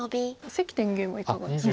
関天元はいかがですか？